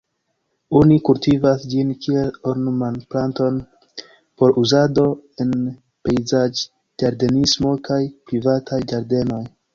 Oni kultivas ĝin kiel ornam-planton por uzado en pejzaĝ-ĝardenismo kaj privataj ĝardenoj.